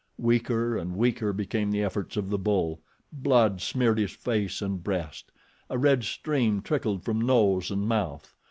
Weaker and weaker became the efforts of the bull. Blood smeared his face and breast. A red stream trickled from nose and mouth.